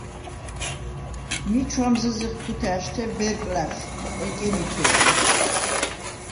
მი ჩუ̂ამზჷზეხ ქუთა̄̈შთე ბერკლა̈რშუ̂ ეკენითუ̂ეჟი.